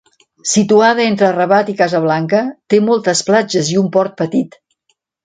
Situada entre Rabat i Casablanca, té moltes platges i un port petit.